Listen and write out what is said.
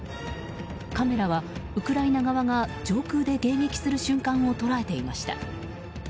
カメラはウクライナ側が上空で迎撃する瞬間を捉えていました。